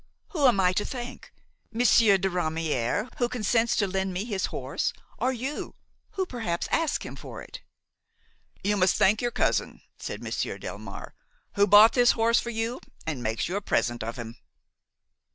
Whom am I to thank–Monsieur de Ramière, who consents to lend me his horse, or you, who perhaps asked him for it?" "You must thank your cousin," said Monsieur Delmare, "who bought this horse for you and makes you a present of him."